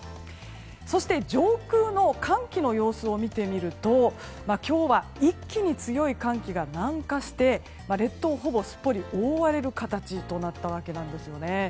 そして、上空の寒気の様子を見てみると今日は一気に強い寒気が南下して列島ほぼすっぽり覆われる形となったわけですね。